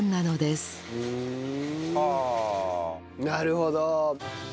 なるほど！